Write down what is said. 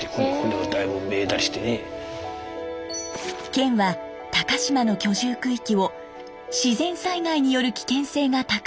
県は高島の居住区域を自然災害による危険性が高い場所に指定。